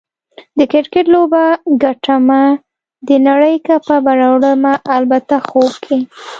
د کرکټ لوبه ګټمه، د نړۍ کپ به راوړمه - البته خوب کې